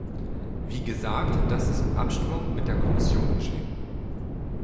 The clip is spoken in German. Wie gesagt, das ist in Abstimmung mit der Kommission geschehen.